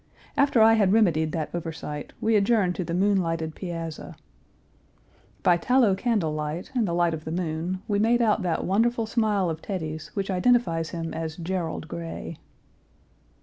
After I had remedied that oversight, we adjourned to the moonlighted piazza. By tallow candle light and the light of the moon, we made out that wonderful smile of Teddy's, which identifies him as Gerald Grey.